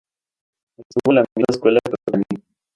Estuvo en la misma escuela que Otani.